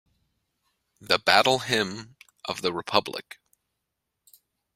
The Battle Hymn of the Republic.